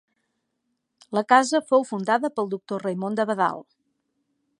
La casa fou fundada pel doctor Raimon d'Abadal.